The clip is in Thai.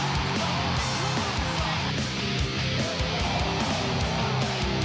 สวัสดีครับ